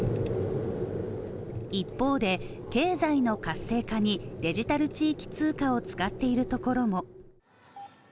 一方で、経済の活性化にデジタル地域通貨を使っているところも。